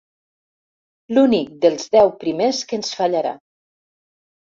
L'únic dels deu primers que ens fallarà.